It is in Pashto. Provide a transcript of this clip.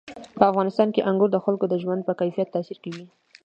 په افغانستان کې انګور د خلکو د ژوند په کیفیت تاثیر کوي.